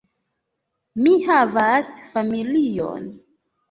Mi havas familion.